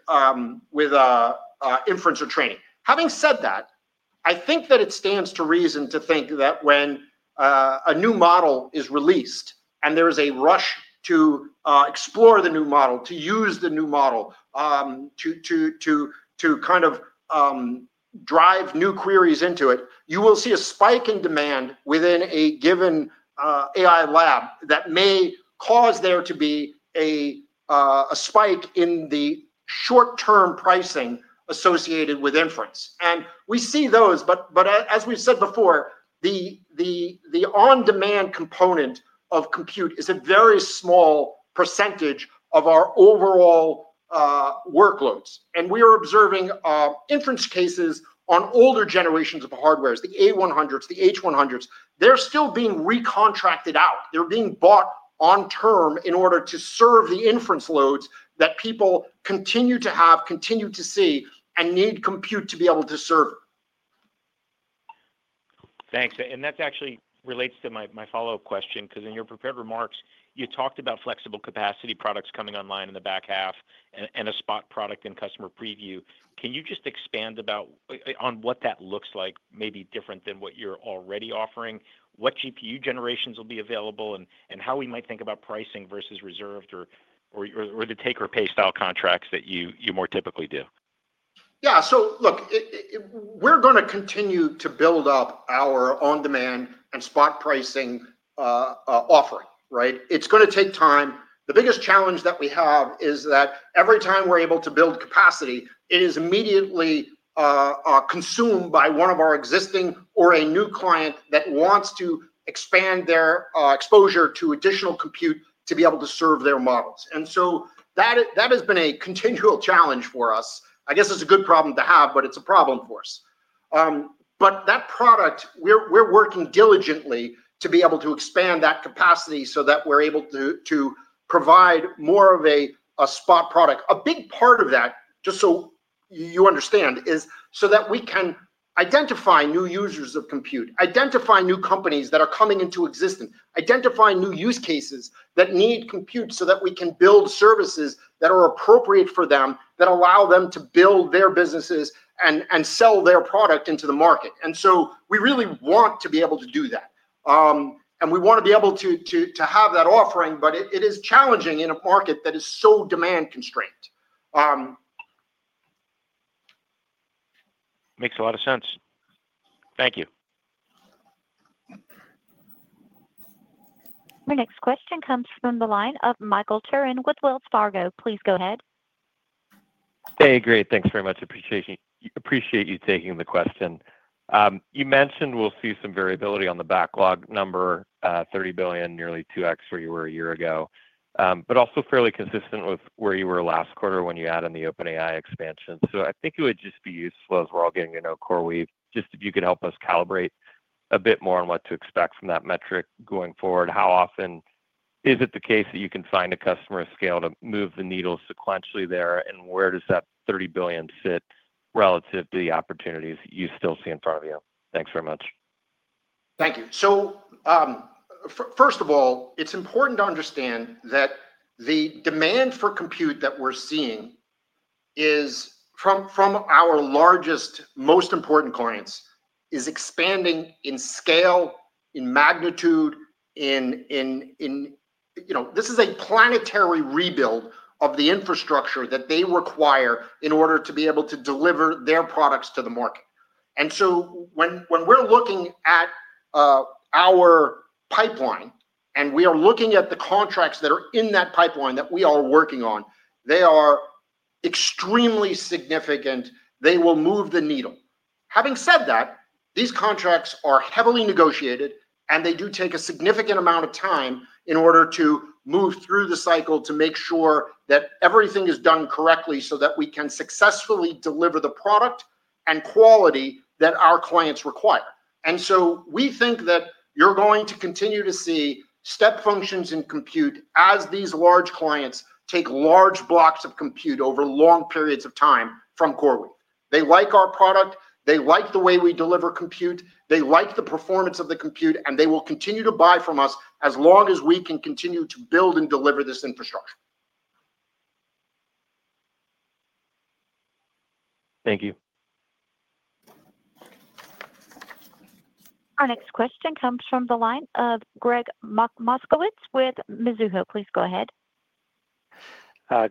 inference or training. Having said that, I think that it stands to reason to think that when a new model is released and there is a rush to explore the new model, to use the new model, to kind of drive new queries into it, you will see a spike in demand within a given AI lab that may cause there to be a spike in the short-term pricing associated with inference. We see those, but as we've said before, the on-demand component of compute is a very small percentage of our overall workloads. We are observing inference cases on older generations of hardware, the A100s, the H100s. They're still being recontracted out. They're being bought on term in order to serve the inference loads that people continue to have, continue to see, and need compute to be able to serve. Thanks. That actually relates to my follow-up question, because in your prepared remarks, you talked about flexible capacity products coming online in the back half and a spot product in customer preview. Can you just expand about what that looks like, maybe different than what you're already offering, what GPU generations will be available, and how we might think about pricing versus reserved or the taker-pay style contracts that you more typically do? Yeah, so look, we're going to continue to build up our on-demand and spot pricing offering, right? It's going to take time. The biggest challenge that we have is that every time we're able to build capacity, it is immediately consumed by one of our existing or a new client that wants to expand their exposure to additional compute to be able to serve their models. That has been a continual challenge for us. I guess it's a good problem to have, but it's a problem for us. That product, we're working diligently to be able to expand that capacity so that we're able to provide more of a spot product. A big part of that, just so you understand, is so that we can identify new users of compute, identify new companies that are coming into existence, identify new use cases that need compute so that we can build services that are appropriate for them, that allow them to build their businesses and sell their product into the market. We really want to be able to do that. We want to be able to have that offering, but it is challenging in a market that is so demand-constrained. Makes a lot of sense. Thank you. Our next question comes from the line of Michael Turrin with Wells Fargo. Please go ahead. Hey, great. Thanks very much. Appreciate you taking the question. You mentioned we'll see some variability on the backlog number, $30 billion, nearly 2x where you were a year ago, but also fairly consistent with where you were last quarter when you added the OpenAI expansion. I think it would just be useful as we're all getting to know CoreWeave, just if you could help us calibrate a bit more on what to expect from that metric going forward. How often is it the case that you can find a customer scale to move the needle sequentially there, and where does that $30 billion sit relative to the opportunities you still see in front of you? Thanks very much. Thank you. First of all, it's important to understand that the demand for compute that we're seeing from our largest, most important clients is expanding in scale and magnitude. This is a planetary rebuild of the infrastructure that they require in order to be able to deliver their products to the market. When we're looking at our pipeline and we are looking at the contracts that are in that pipeline that we are working on, they are extremely significant. They will move the needle. These contracts are heavily negotiated, and they do take a significant amount of time in order to move through the cycle to make sure that everything is done correctly so that we can successfully deliver the product and quality that our clients require. We think that you're going to continue to see step functions in compute as these large clients take large blocks of compute over long periods of time from CoreWeave. They like our product. They like the way we deliver compute. They like the performance of the compute, and they will continue to buy from us as long as we can continue to build and deliver this infrastructure. Thank you. Our next question comes from the line of Gregg Moskowitz with Mizuho. Please go ahead.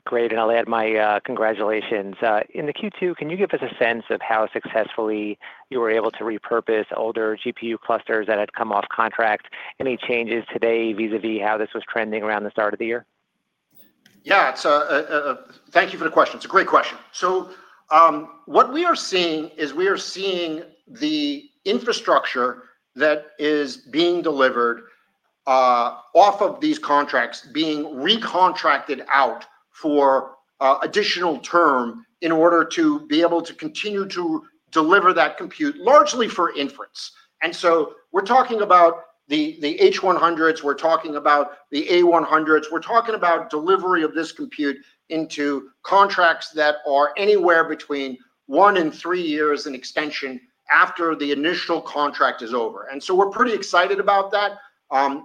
Great, and I'll add my congratulations. In the Q2, can you give us a sense of how successfully you were able to repurpose older GPU clusters that had come off contract? Any changes today vis-à-vis how this was trending around the start of the year? Thank you for the question. It's a great question. What we are seeing is we are seeing the infrastructure that is being delivered off of these contracts being recontracted out for additional term in order to be able to continue to deliver that compute largely for inference. We're talking about the H100s. We're talking about the A100s. We're talking about delivery of this compute into contracts that are anywhere between one and three years in extension after the initial contract is over. We're pretty excited about that.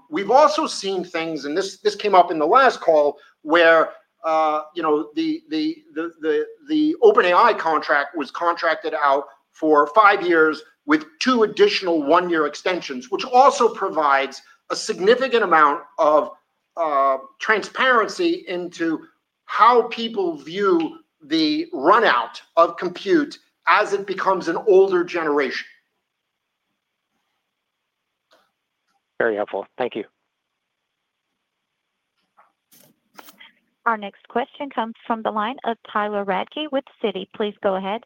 We've also seen things, and this came up in the last call, where the OpenAI contract was contracted out for five years with two additional one-year extensions, which also provides a significant amount of transparency into how people view the runout of compute as it becomes an older generation. Very helpful. Thank you. Our next question comes from the line of Tyler Radke with Citi. Please go ahead.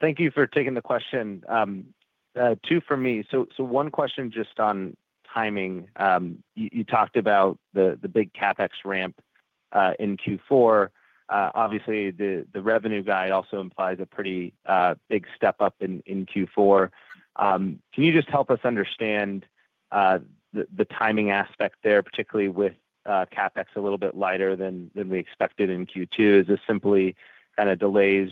Thank you for taking the question. Two from me. One question just on timing. You talked about the big CapEx ramp in Q4. Obviously, the revenue guide also implies a pretty big step up in Q4. Can you help us understand the timing aspect there, particularly with CapEx a little bit lighter than we expected in Q2? Is this simply kind of delays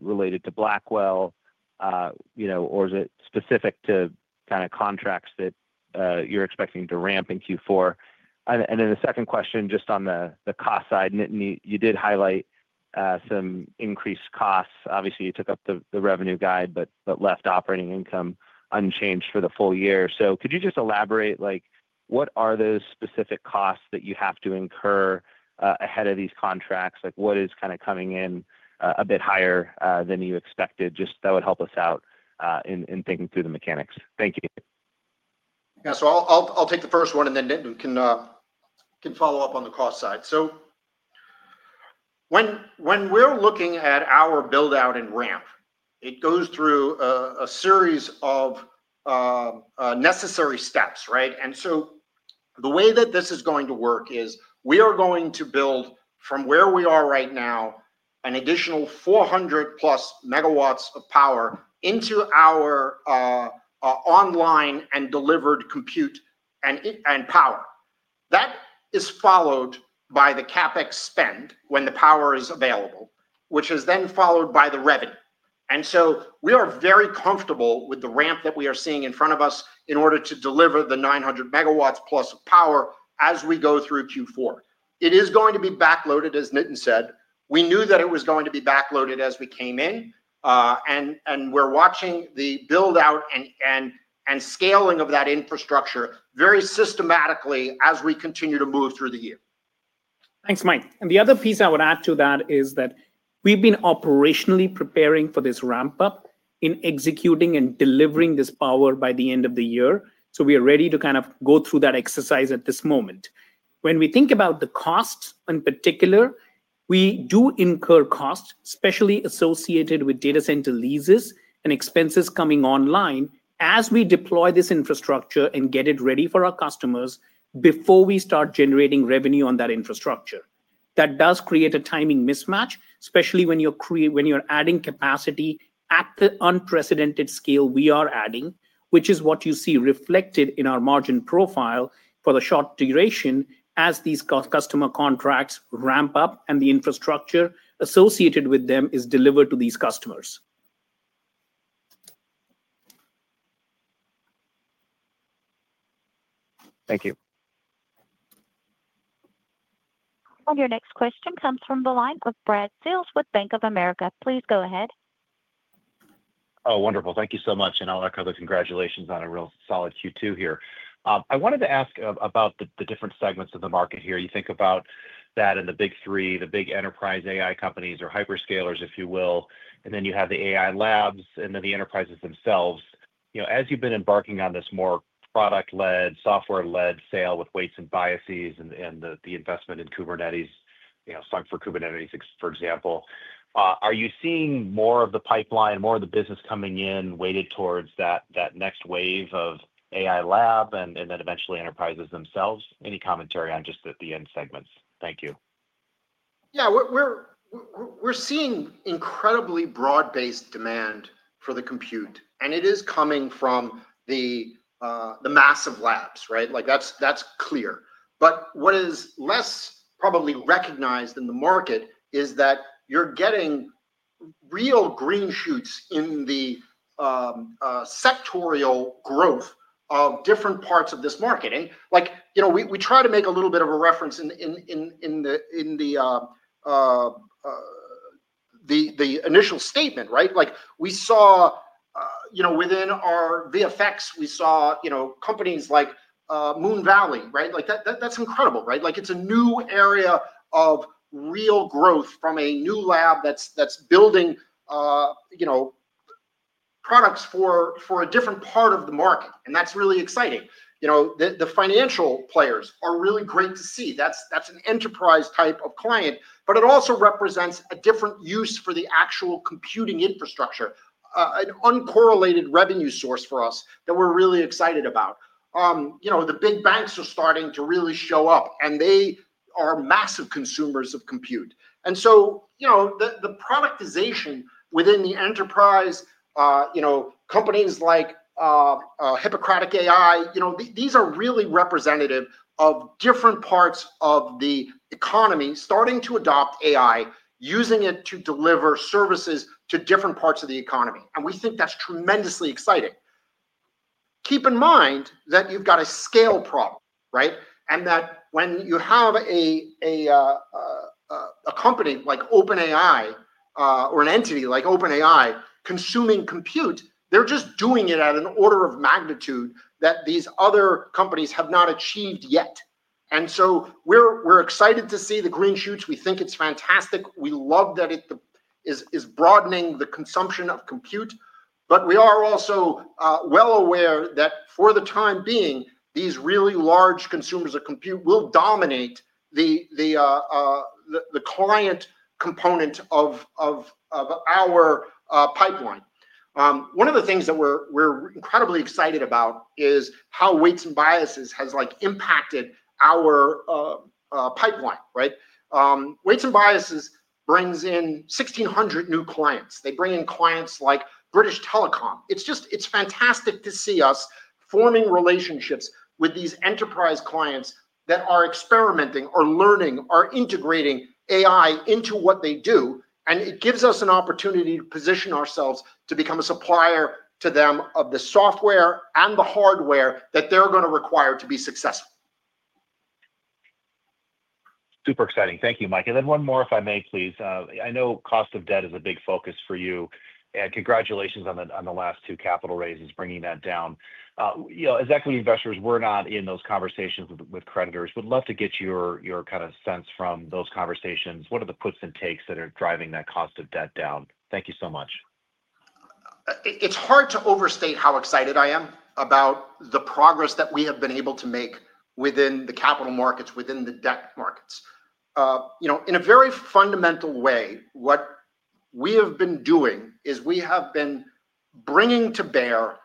related to Blackwell, or is it specific to contracts that you're expecting to ramp in Q4? The second question just on the cost side, Nitin, you did highlight some increased costs. Obviously, you took up the revenue guide, but left operating income unchanged for the full year. Could you elaborate, what are those specific costs that you have to incur ahead of these contracts? What is coming in a bit higher than you expected? That would help us out in thinking through the mechanics. Thank you. I'll take the first one, and then Nitin can follow up on the cost side. When we're looking at our build-out and ramp, it goes through a series of necessary steps, right? The way that this is going to work is we are going to build from where we are right now an additional 400+ MW of power into our online and delivered compute and power. That is followed by the CapEx spend when the power is available, which is then followed by the revenue. We are very comfortable with the ramp that we are seeing in front of us in order to deliver the 900+ MW of power as we go through Q4. It is going to be backloaded, as Nitin said. We knew that it was going to be backloaded as we came in. We're watching the build-out and scaling of that infrastructure very systematically as we continue to move through the year. Thanks, Mike. The other piece I would add to that is that we've been operationally preparing for this ramp-up in executing and delivering this power by the end of the year. We are ready to kind of go through that exercise at this moment. When we think about the costs in particular, we do incur costs, especially associated with data center leases and expenses coming online as we deploy this infrastructure and get it ready for our customers before we start generating revenue on that infrastructure. That does create a timing mismatch, especially when you're adding capacity at the unprecedented scale we are adding, which is what you see reflected in our margin profile for the short duration as these customer contracts ramp up and the infrastructure associated with them is delivered to these customers. Thank you. Our next question comes from the line of Brad Sills with Bank of America. Please go ahead. Oh, wonderful. Thank you so much, and I'll echo the congratulations on a real solid Q2 here. I wanted to ask about the different segments of the market here. You think about that in the big three, the big enterprise AI companies or hyperscalers, if you will, and then you have the AI labs and then the enterprises themselves. As you've been embarking on this more product-led, software-led sale with Weights & Biases and the investment in Kubernetes, you know, SUNK for Kubernetes, for example, are you seeing more of the pipeline, more of the business coming in weighted towards that next wave of AI lab and then eventually enterprises themselves? Any commentary on just the end segments? Thank you. Yeah, we're seeing incredibly broad-based demand for the compute, and it is coming from the massive labs, right? Like that's clear. What is less probably recognized in the market is that you're getting real green shoots in the sectorial growth of different parts of this market. Like, you know, we try to make a little bit of a reference in the initial statement, right? We saw, you know, within our VFX, we saw companies like Moonvalley, right? Like that's incredible, right? It's a new area of real growth from a new lab that's building products for a different part of the market, and that's really exciting. The financial players are really great to see. That's an enterprise type of client, but it also represents a different use for the actual computing infrastructure, an uncorrelated revenue source for us that we're really excited about. The big banks are starting to really show up, and they are massive consumers of compute. The productization within the enterprise, companies like Hippocratic AI, these are really representative of different parts of the economy starting to adopt AI, using it to deliver services to different parts of the economy, and we think that's tremendously exciting. Keep in mind that you've got a scale problem, right? When you have a company like OpenAI or an entity like OpenAI consuming compute, they're just doing it at an order of magnitude that these other companies have not achieved yet. We're excited to see the green shoots. We think it's fantastic. We love that it is broadening the consumption of compute. We are also well aware that for the time being, these really large consumers of compute will dominate the client component of our pipeline. One of the things that we're incredibly excited about is how Weights & Biases have impacted our pipeline, right? Weights & Biases bring in 1,600 new clients. They bring in clients like British Telecom. It's just, it's fantastic to see us forming relationships with these enterprise clients that are experimenting or learning or integrating AI into what they do. It gives us an opportunity to position ourselves to become a supplier to them of the software and the hardware that they're going to require to be successful. Super exciting. Thank you, Mike. One more, if I may, please. I know cost of debt is a big focus for you. Congratulations on the last two capital raises, bringing that down. You know, as equity investors, we're not in those conversations with creditors. We'd love to get your kind of sense from those conversations. What are the puts and takes that are driving that cost of debt down? Thank you so much. It's hard to overstate how excited I am about the progress that we have been able to make within the capital markets, within the debt markets. In a very fundamental way, what we have been doing is we have been bringing to bear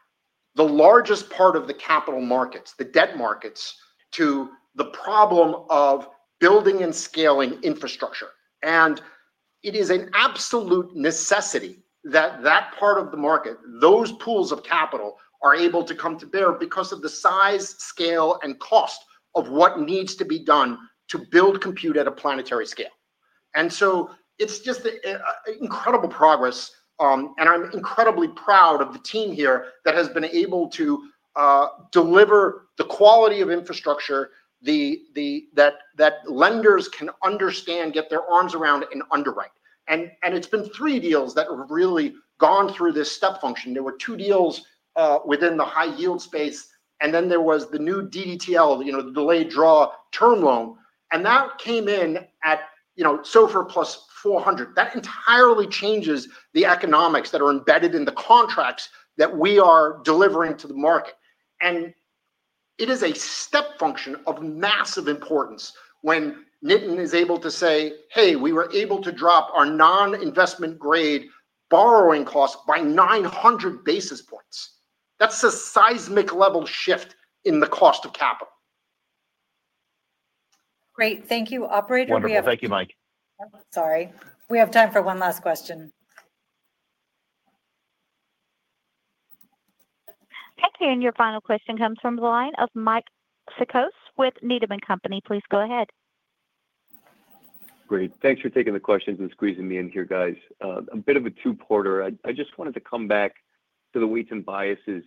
the largest part of the capital markets, the debt markets, to the problem of building and scaling infrastructure. It is an absolute necessity that that part of the market, those pools of capital, are able to come to bear because of the size, scale, and cost of what needs to be done to build compute at a planetary scale. It's just an incredible progress. I'm incredibly proud of the team here that has been able to deliver the quality of infrastructure that lenders can understand, get their arms around, and underwrite. It's been three deals that have really gone through this step function. There were two deals within the high-yield space, and then there was the new DDTL, the delayed draw term loan. That came in at SOFR +400. That entirely changes the economics that are embedded in the contracts that we are delivering to the market. It is a step function of massive importance when Nitin is able to say, "Hey, we were able to drop our non-investment grade borrowing cost by 900 basis points." That's a seismic level shift in the cost of capital. Great. Thank you, operator, we have. Thank you, Mike. Sorry. We have time for one last question. Your final question comes from the line of Mike Cikos with Needham & Company. Please go ahead. Great. Thanks for taking the questions and squeezing me in here, guys. A bit of a two-parter. I just wanted to come back to the Weights & Biases.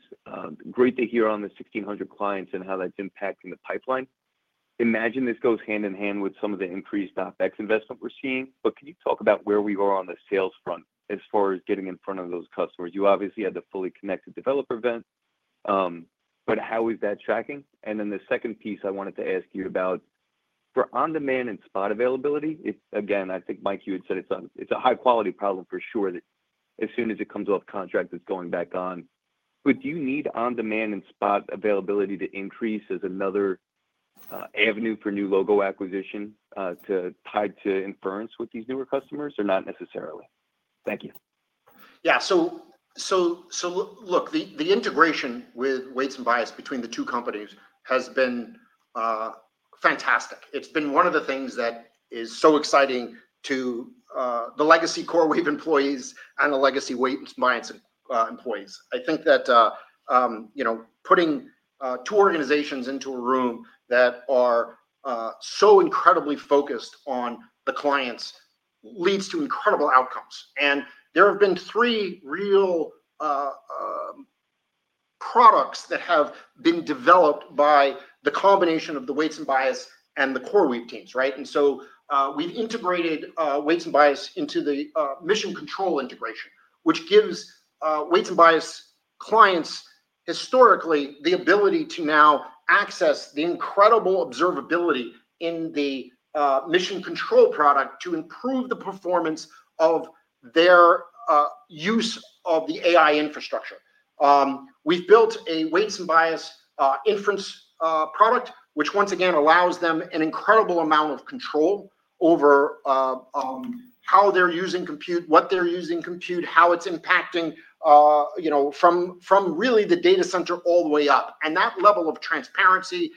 Great to hear on the 1,600 clients and how that's impacting the pipeline. Imagine this goes hand in hand with some of the increased OpEx investment we're seeing, but can you talk about where we are on the sales front as far as getting in front of those customers? You obviously had the fully connected developer event, but how is that tracking? The second piece I wanted to ask you about is for on-demand and spot availability. I think, Mike, you had said it's a high-quality problem for sure that as soon as it comes off contract, it's going back on. Do you need on-demand and spot availability to increase as another avenue for new logo acquisition to tie to inference with these newer customers or not necessarily? Thank you. Yeah, so look, the integration with Weights & Biases between the two companies has been fantastic. It's been one of the things that is so exciting to the legacy CoreWeave employees and the legacy Weights & Biases employees. I think that, you know, putting two organizations into a room that are so incredibly focused on the clients leads to incredible outcomes. There have been three real products that have been developed by the combination of the Weights & Biases and the CoreWeave teams, right? We've integrated Weights & Biases into the Mission Control Integration, which gives Weights & Biases clients historically the ability to now access the incredible observability in the Mission Control product to improve the performance of their use of the AI infrastructure. We've built a Weights & Biases Inference product, which once again allows them an incredible amount of control over how they're using compute, what they're using compute, how it's impacting, you know, from really the data center all the way up. That level of transparency,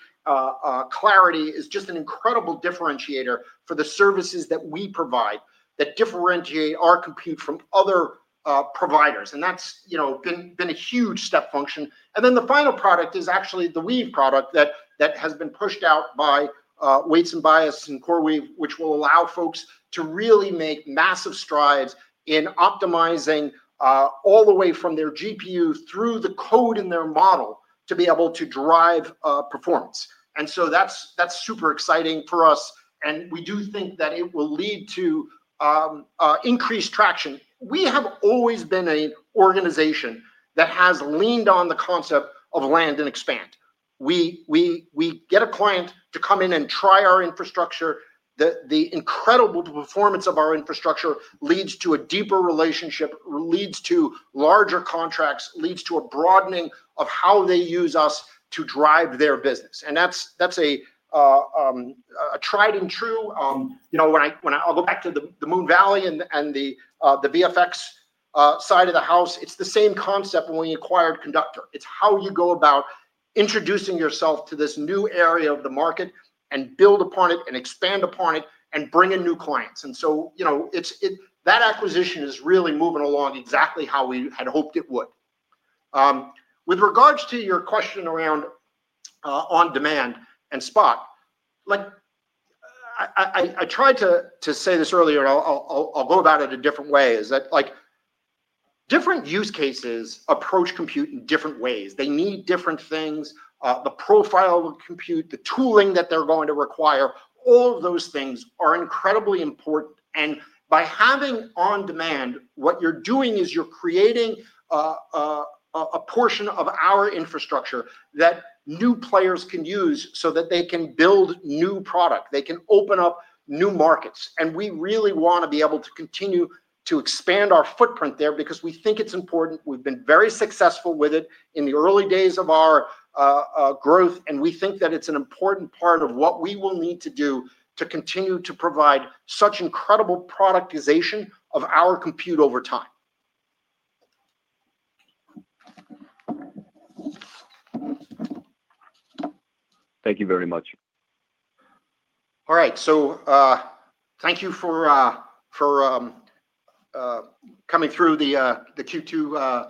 clarity is just an incredible differentiator for the services that we provide that differentiate our compute from other providers. That's, you know, been a huge step function. The final product is actually the Weave product that has been pushed out by Weights & Biases and CoreWeave, which will allow folks to really make massive strides in optimizing all the way from their GPU through the code in their model to be able to drive performance. That's super exciting for us. We do think that it will lead to increased traction. We have always been an organization that has leaned on the concept of land and expand. We get a client to come in and try our infrastructure. The incredible performance of our infrastructure leads to a deeper relationship, leads to larger contracts, leads to a broadening of how they use us to drive their business. That's a tried and true. You know, when I go back to the Moonvalley and the VFX side of the house, it's the same concept when we acquired Conductor. It's how you go about introducing yourself to this new area of the market and build upon it and expand upon it and bring in new clients. That acquisition is really moving along exactly how we had hoped it would. With regards to your question around on-demand and spot, like I tried to say this earlier, I'll go about it a different way, is that different use cases approach compute in different ways. They need different things. The profile of compute, the tooling that they're going to require, all of those things are incredibly important. By having on-demand, what you're doing is you're creating a portion of our infrastructure that new players can use so that they can build new product. They can open up new markets. We really want to be able to continue to expand our footprint there because we think it's important. We've been very successful with it in the early days of our growth, and we think that it's an important part of what we will need to do to continue to provide such incredible productization of our compute over time. Thank you very much. All right, thank you for coming through the Q2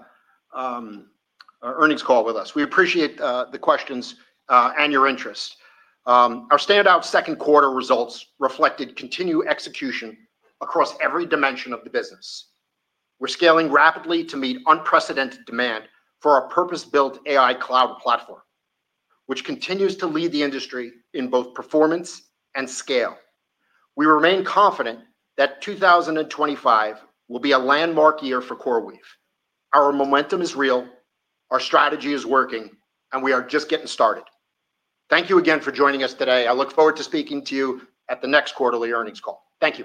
earnings call with us. We appreciate the questions and your interest. Our standout second quarter results reflected continued execution across every dimension of the business. We're scaling rapidly to meet unprecedented demand for our purpose-built AI cloud platform, which continues to lead the industry in both performance and scale. We remain confident that 2025 will be a landmark year for CoreWeave. Our momentum is real, our strategy is working, and we are just getting started. Thank you again for joining us today. I look forward to speaking to you at the next quarterly earnings call. Thank you.